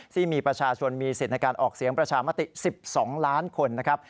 ที่มีประชาชนมีสิทธิ์ในการออกเสียงประชามติ๑๒ล้านคนนะครับ